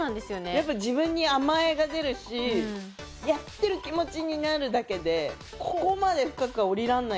やっぱ自分に甘えが出るしやってる気持ちになるだけでここまで深くは下りられないから。